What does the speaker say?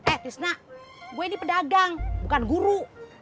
eh trisna gue ini pedagang bukan guru